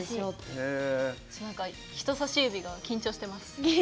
人さし指が緊張してます。